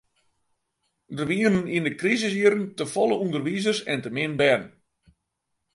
Der wienen yn de krisisjierren te folle ûnderwizers en te min bern.